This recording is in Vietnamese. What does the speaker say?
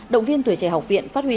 động viên tuổi trẻ học viện phát huy